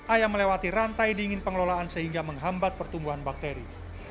ayam melewati rantai dingin pengelolaan sehingga menghambat pertumbuhan bakteri